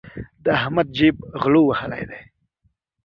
د احمد جېب غلو وهلی دی.